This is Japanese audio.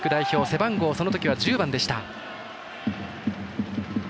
背番号、その時は１０番でした。